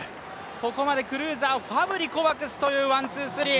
ここまでクルーザー、ファブリ、コバクスという１、２、３。